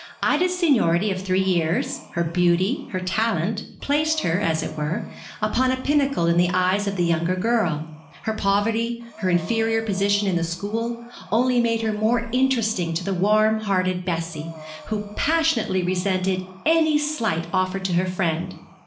Ida's seniority of three years, her beauty, her talent, placed her, as it were, upon a pinnacle in the eyes of the younger girl. Her poverty, her inferior position in the school, only made her more interesting to the warm hearted Bessie, who passionately resented any slight offered to her friend.